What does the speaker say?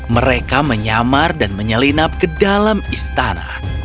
mereka menyamar dan menyelinap ke dalam istana